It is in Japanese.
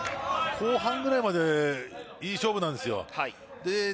後半ぐらいまでいい勝負なんですよ。